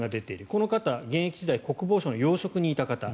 この方は現役時代国防省の要職にいた方。